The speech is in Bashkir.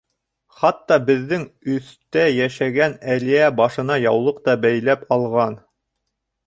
Хатта беҙҙең өҫтә йәшәгән Әлиә башына яулыҡ та бәйләп алған.